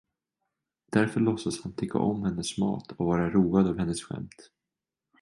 Därför låtsas han tycka om hennes mat och vara road av hennes skämt.